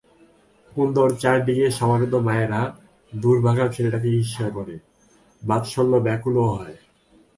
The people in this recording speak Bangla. কুন্দর চারিদিকে সমবেত মায়েরা দুর্ভাগা ছেলেটাকে ঈর্ষা করে, বাৎসল্য ব্যাকুলও হয়।